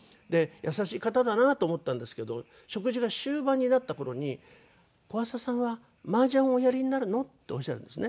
優しい方だなと思ったんですけど食事が終盤になった頃に「小朝さんは麻雀をおやりになるの？」っておっしゃるんですね。